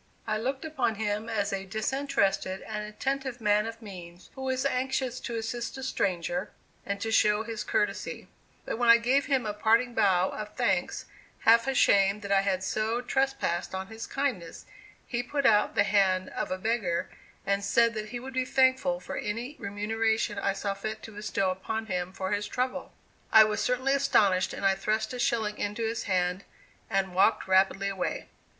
I looked upon him as a disinterested and attentive man of means who was anxious to assist a stranger and to show his courtesy; but when I gave him a parting bow of thanks, half ashamed that I had so trespassed on his kindness, he put out the hand of a beggar and said that he would be thankful for any remuneration I saw fit to bestow upon him for his trouble. I was certainly astonished, and I thrust a shilling into his hand and walked rapidly away.